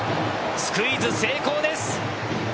スクイズ成功です。